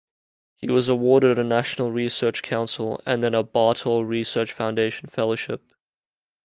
He was awarded a National Research Council, and then a Bartol Research Foundation fellowship.